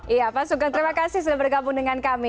iya pak sugeng terima kasih sudah bergabung dengan kami